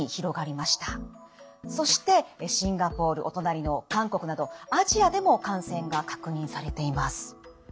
そしてシンガポールお隣の韓国などアジアでも感染が確認されています。